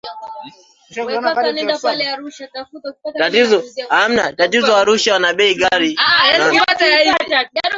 upungufu mkubwa wa hewa chafu inayotolewa na viwango vikubwa vya